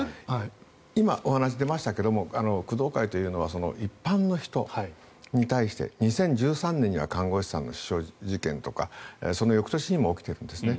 今、お話に出ましたけど工藤会というのは一般の人に対して２０１３年には看護師さんの刺傷事件とかその翌年にも起きているんですね。